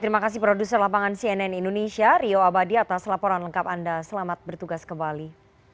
terima kasih produser lapangan cnn indonesia rio abadi atas laporan lengkap anda selamat bertugas kembali